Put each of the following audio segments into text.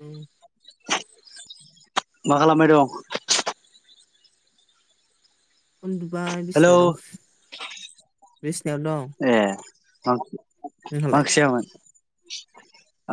औ मा खालामबाय दं? उन्दुबाय हेलौ बिसिनायाव दं बिसनायाव दं। ए [inaudible] मा नोंहालाय ओंख्रि जायामोन?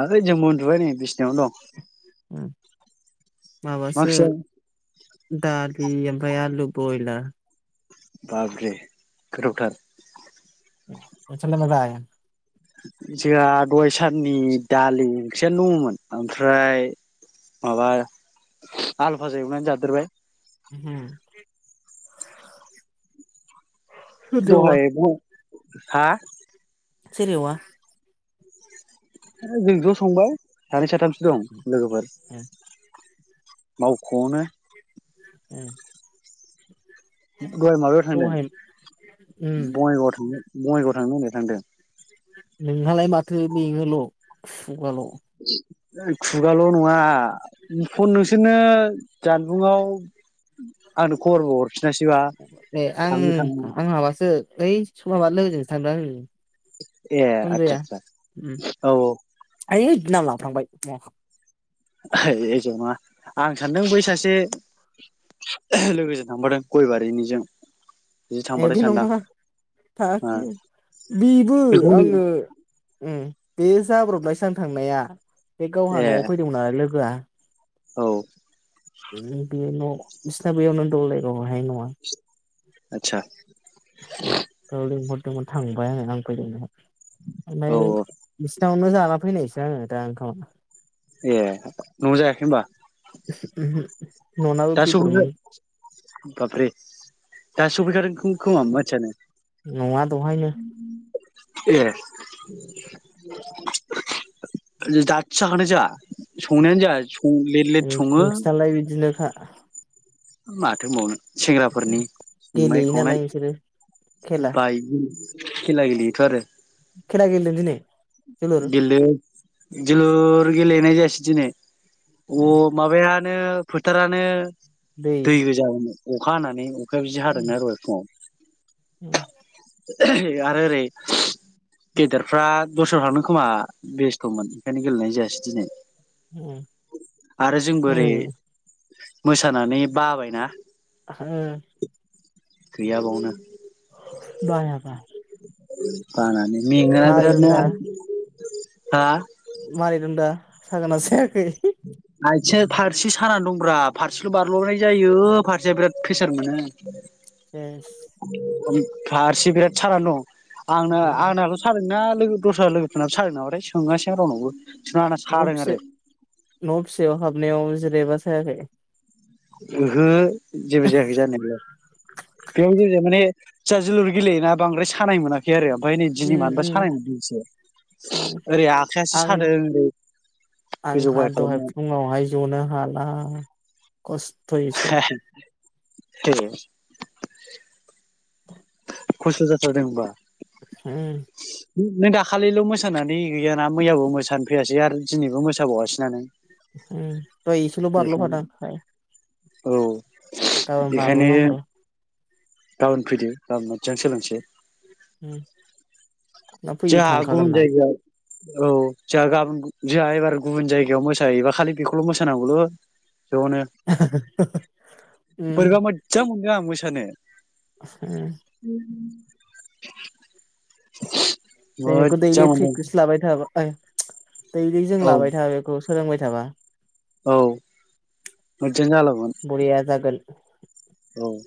आलै जोंबो उनदुबाय नै बिसि नायावनो दं। उम मा माबासो ओंख्रि जायामोन दालि ओमफ्राय आलु बयला बाब रे गोथावथार नोंस्रालाय मा लाया? जोंहा दहाय साननि दालि ओंख्रियानो दङमोन ओमफ्राय माबा आलुफाजा एवनानै जादेरबाय। होम दहाय ओ हा सोर एवा? जोंनो ज'संबाय सानै साथामसो। दं लोगोफोर उम माव खनो उम दहाय माबायाव थांदों दहाय उम बङाइगावआव थांदों बङाइगाव थांनो होननाया थांदों? नोंहालाय माथो लिङोल' खुगाल'। [inaudible] खुगाल' नङा फन बिदिनो जानबुङाव आंनो खबर हर ए आं आं माबासो ओइ समाबार लोगोजोंसो आङो। ए आदसा होमजाया आदसा उम औ एत नाम लाफ्लांबाय। [unintelligible] हे जङा आं सानदों बै सासे लोगोजों थांफादों गयबारिनिजों। बिदि ए थांफादों बे सानदां नङा हा ओ बेबो बेखौ आङो उम बे जाब्रबनाय सान थांनाया। बे गावहा ए न'आव फैदोंमोन नालाय लोगोआ औ बिसना बेैयावनो दंलायगावाय आय न'आ आतसा औ लेंहर मोन थांबाय आं नांफैदों नामा औ आनाय बिस आवनो जाना फैनायसो आङो दा ओंखामा। ए न'आव जायाखै होनबा? न'नाबो दा सफैखा बेदरमोन। बाबरे दा सफैखादों खोमा मानसियानो। नङा दहायनो ए दास्सो जाखांदों जोंहा। संनायानो जाया सं लेट लेट सङो। नोंसिनालाय [inaudible] माथो होमबावनो। सेंग्राफोरनि संनाय गेलेयो नालाय खावनाय नोंसोरो खेला बायदि खेला गेलेयो। थ आरो। खेला गेलेदों दिनै जोलुर? गेलेलु जोलुर गेलेनाय जायासि दिनेै। अ माबया नो फोथारानो दै दैबो जाबाय नो। अखा हानानै औ। अखायाबो जि हादोंना दहाय फुङाव। औ आरो ओरै गेदेरफ्रा दस्राव थांदों खोमा बेस्थ'मोन ओंखायनो गेलेनाय जायासै दिनै। होम उम मोस सानानै बाबायना । [unintelligible] गैया बावनो। बाया बा। बानानानै। मेङोना बिरादनो हा? मारै दं दा? सागोना सायाखै? आथिं फारसे साना दंब्रा फारसेल' बारल'नाय जायो फारसेया बिराद प्रेसार मोनो। सेस ओम फारसि बिराद सानान दं । आंना आंनाल' सादोंना लोगो दस्रा लोगोफोर नाबो सादों नामाथाय सोंङासै आं रावनावबो । न'फिसे न'फिसायाव हाबनायाव जिरायबा [unintelligible] ओहो । जेबो जायाखै जानायलाय बेयाव जेबो जायाखै माने जोहा जोलुर गेलेयोना बांद्राय सानाय मोना खै आरो ओमफ्राय नै दिनै उम मानोबा उम सानाय मोनदों एसे उम ओरै आखायासो आं सादों गोजौ आंहा गाहाय दहाय खालामनाया । खस्थयै एसे ए खस्थ जाथारदोंबा । उ । नों दाखालिल' मोसानानै गैयाना मैयाबो मोसानो फैयासै आरो दिनैबो मोसाबावासैना नों । उम दहय इसेल बारल' फादां । औ । गाबोन बारल' नांगौ र'। गाबोन फैदो । गाबोन मोजां सोलोंसै । उम ना फैयो जोहा थांखागोन गुबुन ना जायगायाव औ जोंहा गाबोन जोंहा एबार गुबुन जायगायाव मोसाहैबा खालि बेखौल' मोसानांगौल।' जनो उम बोरैबा मोजां मोन नो आं मोसानो [inaudible] [inaudible] नै बेखौ‌ मोजां दैलि मोनदों [unintelligible] लाबायथाब [inaudible] दैली जों औ लाबाय था बेखौ सोलोंबाय जाबा औ । बरिया जागोन। औ ।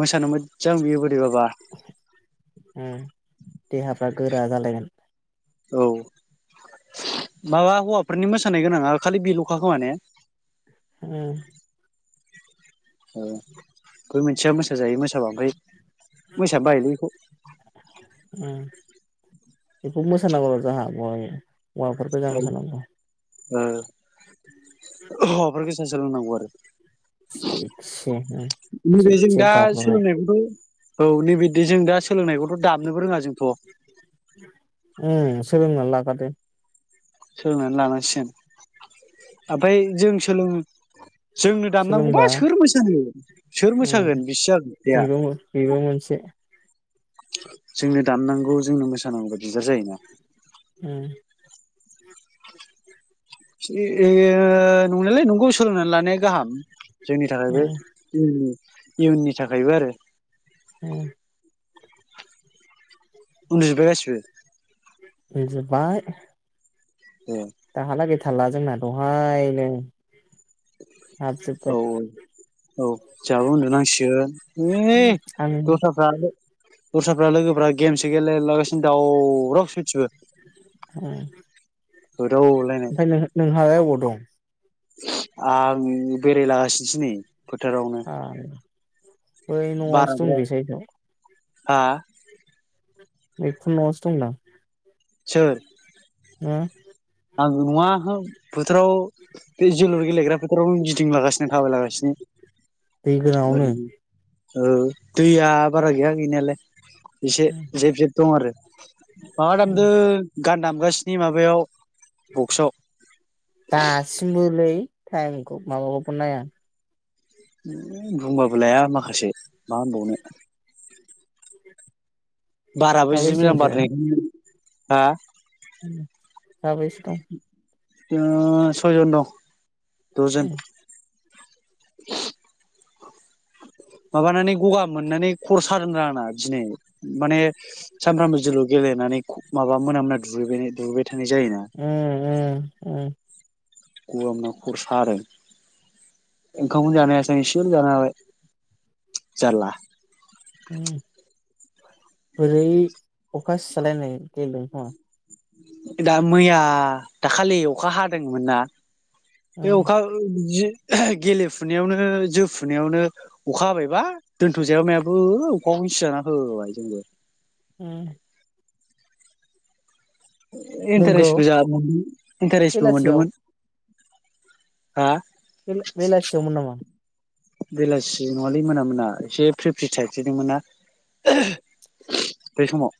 मोसानो मोजां बिबो । है बाबा । ओ देहाफ्रा गोरा जालायगोन औ माबा हौवाफोरनि मोसानाय गोनाङा खालि बेल'खा खोमा ने उम औ बय मोनसेया मोसााजायो मोसाबा ओमफ्राय मोसानान बायलै बेखौ उम बेखौ मोसाना जोंहा- हौवाफोर गोजा मोसानां जोंहा। ओ हौवाफोरखौ गोजाया सोलोंनांगौ आरो से नैबे जों थकसे दा बारनाय सोलोंनायखौथ' औ नैबेदि जों दा सोलोंनायखौथ' दाब उ सोलोंनानै [inaudible] सोलोंनानै लानांसिगोन ओमफ्राय जों सोलों जोंनो दामनांगौबा सोलोंबा सोर मोसागोन सोर उम मोसागोन बिसि जागोन खोथाया। बेबो बेबो मोनसे जोंनो दामनांगौ जोंनो मोसानांगौ दिगदार जायोना। ओ नंनायलाय नंगौ सोलोंनानै लानाया गाहाम। जोंनि थाखाय बे- उम इयुननि थाखायबो आरो- औ उन्दु जोब गासीबो उन्दु जोबबाय‌। ए दाहालागै- जोंना दहायनो- आ जफ औ औ जाबो उन्दनांसिगोन। ए आं दसफ्रा दस्राफ्रा लोगोफ्रा गेमसो गेलला गासि- दावराव सयथिबो ओमफाय नोंह नोंहालाय अबाव? बुं आं बेरायलागासिनोसै नै फोथारावनो आं बै न'आवसो दंलै सायदाव आह एखुन नआवसो दं दां उम आङो नङा हो फोथोराव बे जोलुर गेलेग्रा फोथारावनो गिदिंलागासिनो थाबायलागासिनो। बेग्रावनो औ दैया बारा गैया गैनायालाय। इसे जेब जेब दं आरो माबा दामदों गान दामगासिनि माबायाव बक्सआव दासिमबोलै। थाइमखौ माबाखौबो नाया उम बुंबाबो लाया माखासे मा होनबावनो। बाराबो जि साबैसे मोजां दंसो बारलै। हा साबैसे दं? जोङो सयजन दं। द'जोन। उम [unintelligible] माबानानै गगा मोननानै खर सादों ब्रा आंना दिनै माने सानफ्रामबो जोलुर गेलेनानै माबा मोनामना दुगैबायना दुगैबाय थानाय जायोना उम उम उम। गगा मोनना खरसादों ओंखामखौनो जानो हायासै आं एसेल जानो हाबाय जारला। उम बोरै अखा सिजालायनाय गेलेदों खोमा दा मैया दाखालि अखा हादोंमोन ना। बे उम अखा ओ जि गेलेफुनायावनो जोफुनायावनो अखा हाबायबा दोन्थ'जायाबो मायाबो ओ अखाखौनो सिजाना होबाय जोंबो। उम। नोंगौ इन्टारेस्टबो जादोंमोन इन्टारेस्टबो बेलासियाव मोनदोंमोन। हा बेला बेलासेयाव मोन नामा? बेलासि नङालै मोना मोना एसे फ्रि फ्रि थाइफ्रिदोंमोन ना ।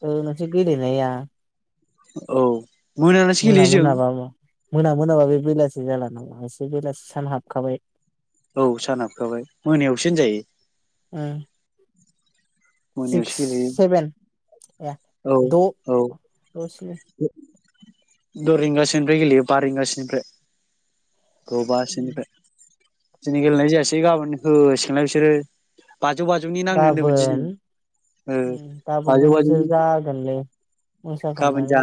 ओ नोंसोर गेलेनाया औ। मोनानासो मोना गेलेयो जों मोना बाबो मोना मोनाबा बे बेलासि बिना लानांगो नोंसोर बेलासि सान हाबखाबाय औ सानहाबखाबाय मोनायावसो होनजायो। ओं। सिक्स मोनायावसो गेलेयो सेभेन या औ द' औ ओ स्नि द' रिंगासोनिफ्राय गेलेयो बा रिंगासोनिफ्राय। द' बा सिनिफ्राय। दिनि गेलेनाय जायासै गाबोन होलाय सिगोनलाय बिसोरो। बाजौ बाजौनि नांनो होन्दोंमोन दिनै गाबोन ओ उम बाजौ गाबोनथ' नोंसोर बाजौनि जागोनलै मोसा गाबोन जा खांनानै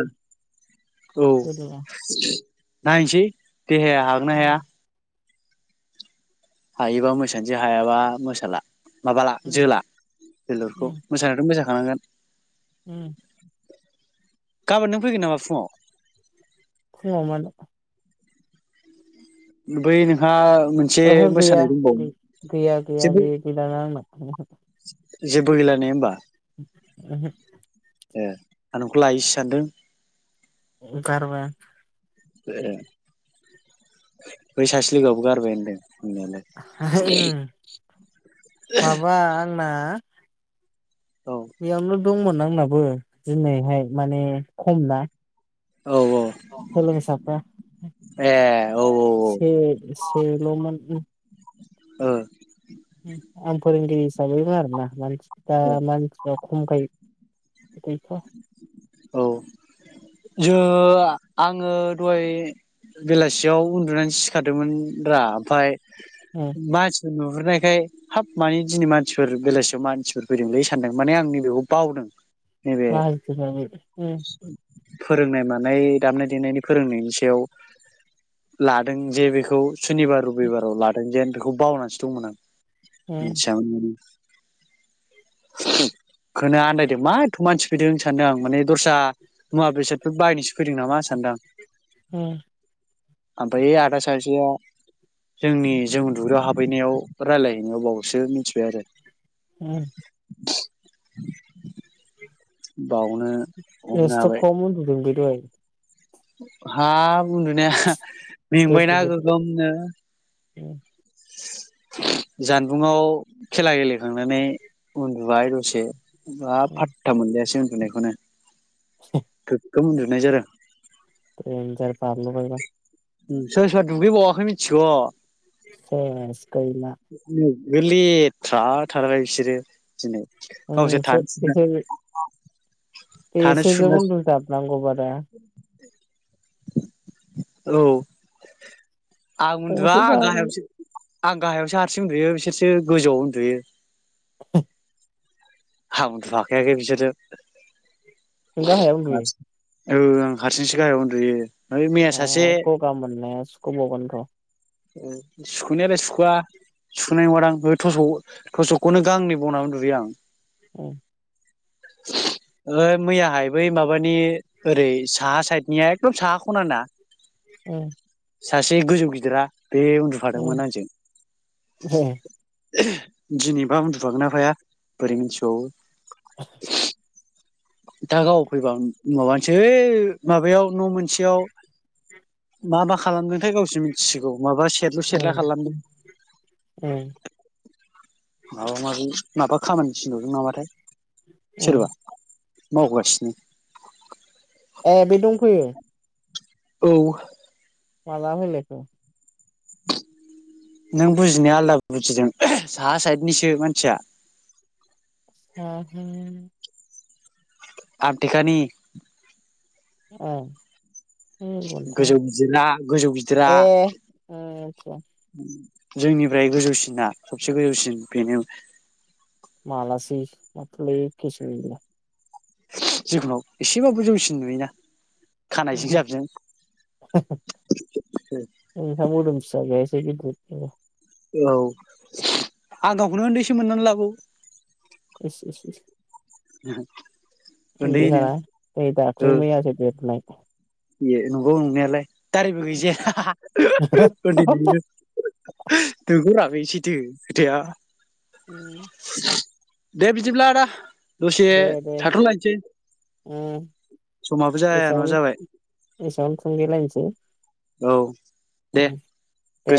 औ। नायसै। देहाया हागोना उम हाया। हायोबा मोसानोसै हायाबा मोसाला। माबाला उम जोला जोलुरखौ उम मोसानायाथ' मोसा खानांगोन। उम गाबोन नों फैगोन नामा फुङाव? फुङाव मानो? बै नोंहा मोनसे ओहो गैया मोसानाय दंबावो गै गैया गैया जेबो गै गैलाना आंना ओहो। जेबो गैला ने होमबा? ओहो। ए आं नोंखौ लायोसो सानदों। ओ गारबाय आं। ए बै सासे लोगो आबो गारबाय होनदों। होननायालाय ओहो ओं माबा जोंना औ बेयावनो दंमोन आंनाबो दिनैहाय माने खम ना। औ औ अ सोलोंसाफ्रा ए औ से सेल' मोन उम। ओ। उम आं फोरोंगिरि हिसाबै आरोना मानसि दा मानसिया खमखाय गैथ'वा। औ। जो आ आङो दहाय बेलासियाव उन्दुनानै सिखार दोंमोन रा ओमफाय मास नुहुरनायखाय हाब माने दिनै मानसि फोर बेलासियाव मानसि फोर फैदोंलै सानदों माने आं नैबेखौ बावदों। नैबे लाजादों आङो [inaudible] फोरोंनाय मानाय दामनाय देनायनि फोरोंनायनि सायाव लादों जे बेखौ सुनिबार रबिबाराव लादों जेन बेख खौ बावनानैसो दंमोन आं। [inaudible] थिया आं। [unintelligible] खोनो आन्दायदो मा एथ' मानसि फैदों सानदों आं माने दस्रा मुवा बेसादफोर बायनोसो फैदों नामा सानदो आं। ओमफ्राय आदा सासेया जोंनि जों उन्दु ग्रायाव हाबहै नायाव रायलाय हैनायाव बावसो मिथिबाय आरो। उम [inaudible] बावनो हमनो हाबाय [unintelligible] दे हाब उन्दुनाया गोदो मेंबायना गोदो गोगोमनो [unintelligible] जानबुंआव खेला गेलेखांनानै उन्दुबाय दसे बा फाटा मोनलायासै नुनायखौनो गोगगोम उन्दुनाय जादो। देनजार बादलबायबा ओम सोर सोर दुगै बावाखै मिथिग' [unintelligible] उम गो लैथ्रा थारबाय बिसोरो दिनै गावसोर थानो सुनो [unintelligible] थानो बेसोरजों सुनो उन्दु जाबनांगौबादा औ आं उन्दुआ गंसेबा गाहायावसो आं गाहायावसो हारसिं उन्दुयो बिसोरसो गोजौआव उन्दुयो। [inaudible] आं उन्दु फाखायाखै बिसोरजों नों गाहायाव उन्दुयो? औ आं हारसिंसो गाहायाव उन्दुयो। ओइ मैया ऐ सासे गगा मोननाया सुखबावगोन र सुखुनायालाय सुखुवा सुख'नाय नंङादां ओ थस'क थस'कखौनो गांनै बनानै उन्दुयो आं [unintelligible] ओ मैयाहाय बै माबानि ओरै साहा साइद एकदम साहा ख'नाना उम सासे गोजौ गिदिरा बे उन्दुफादोंमोन उम आंजों उम दिनैबा उन्दुफागोन ना फाया बोरै मिथिबावो [unintelligible] दा गाव फैबा माबानोसै माबायाव न' मोनसेयाव मा मा खालामदोंथाय गावसो मिथिसिगौ माबा सेरलु सेरला उम खालामदों उम माबा माबि माबा खामानि [unintelligible] नामाथाय सोरबा उम मावगासिनो ए बे दंफैयो औ माला फैलायखो [unintelligible] नों बुजिनाया आलदा बुजिदों साहा साइदनिसो मानसिया [unintelligible] [unintelligible] ओम गोजौ गिदिरा गोजौ गिदिरा मिथिया जोंनिफ्राय गोजौसिना इसे गोजौसिन बेनो मलाासि [unintelligible] [unintelligible] एसेबाबो जौसिन नुयोना खानायजों जाबजों [unintelligible] [unintelligible] औ आं गावखौनो उन्दैसो मोननानै लाबावो [inaudible] [unintelligible] [unintelligible] उन्दैनो नै दाख्लै मैयासो देरनाय ए नंगौ नंनायालाय दारिबो गैजाया हाहा उन्दैनिनो नंगोरा बै सैथो खोथाया [inaudible] दे बिदिब्ला आदा दसे दे दे थाथ' लायसै उम समाबो जाया नङा एसेयावनो जाबाय एसेयावनो थुंगेलायनसै औ दे गोजोन